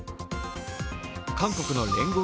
韓国の聯合